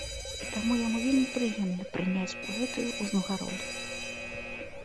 І таму яму вельмі прыемна прыняць гэтую ўзнагароду.